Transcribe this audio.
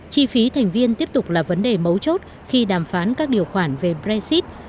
chi phí thành viên tiếp tục là vấn đề mấu chốt khi đàm phán các điều khoản về brexit